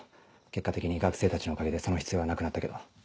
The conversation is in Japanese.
結果的に学生たちのおかげでその必要はなくなったけど。